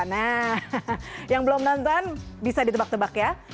nah yang belum nonton bisa ditebak tebak ya